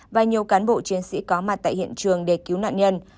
và nhiều cán bộ chiến sĩ có mặt tại hiện trường để cứu nạn nhân